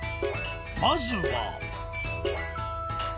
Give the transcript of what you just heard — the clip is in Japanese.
まずは。